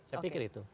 saya pikir itu